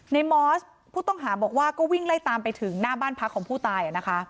มอสผู้ต้องหาบอกว่าก็วิ่งไล่ตามไปถึงหน้าบ้านพักของผู้ตาย